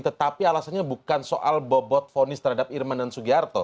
tetapi alasannya bukan soal bobot fonis terhadap irman dan sugiharto